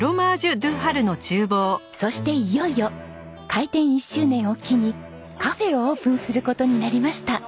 そしていよいよ開店１周年を機にカフェをオープンする事になりました。